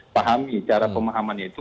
pahami cara pemahamannya itu